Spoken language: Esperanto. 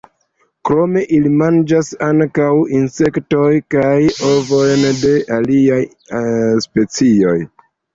Krome ili manĝas ankaŭ insektojn kaj ovojn de aliaj specioj.